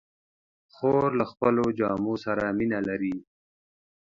خور له خپلو جامو سره مینه لري.